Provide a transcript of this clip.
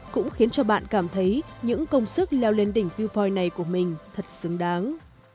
cũng khiến cho bạn cảm thấy những công sức leo lên đỉnh wepoy này của mình thật xứng đáng